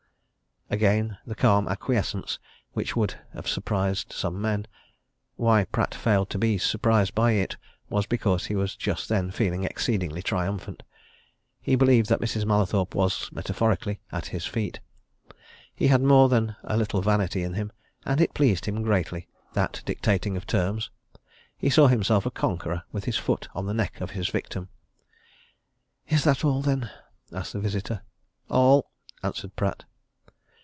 Again the calm acquiescence which would have surprised some men. Why Pratt failed to be surprised by it was because he was just then feeling exceedingly triumphant he believed that Mrs. Mallathorpe was, metaphorically, at his feet. He had more than a little vanity in him, and it pleased him greatly, that dictating of terms: he saw himself a conqueror, with his foot on the neck of his victim. "Is that all, then?" asked the visitor. "All!" answered Pratt.